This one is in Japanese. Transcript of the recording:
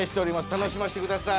楽しましてください。